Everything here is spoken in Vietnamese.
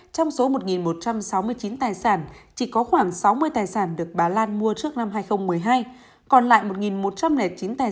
trong số một một trăm sáu mươi chín tài sản chỉ có khoảng sáu mươi tài sản được bà lan mua trước năm hai nghìn một mươi hai còn lại một một trăm linh chín tài sản